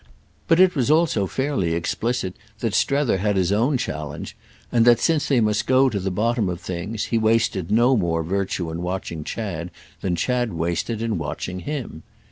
but it was also fairly explicit that Strether had his own challenge and that, since they must go to the bottom of things, he wasted no more virtue in watching Chad than Chad wasted in watching him.